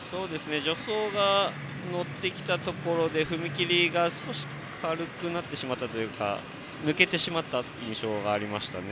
助走が乗ってきたところで踏切りが少し軽くなってしまったというか抜けてしまった印象がありました。